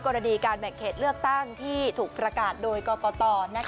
กรณีการแบ่งเขตเลือกตั้งที่ถูกประกาศโดยกรกต